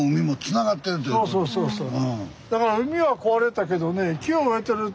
そうそうそうそう。